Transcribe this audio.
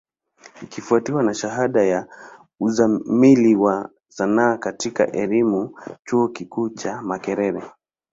Ikifwatiwa na shahada ya Uzamili ya Sanaa katika elimu, chuo kikuu cha Makerere.